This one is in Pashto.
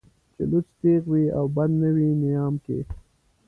چې لوڅ تېغ وي او بندي نه وي نيام کې